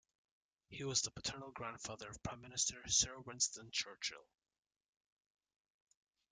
He was the paternal grandfather of Prime Minister Sir Winston Churchill.